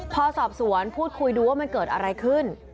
พอสอบสวนพูดคุยดูว่ามันเกิดอะไรขึ้น